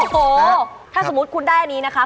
โอ้โหถ้าสมมุติคุณได้อันนี้นะคะ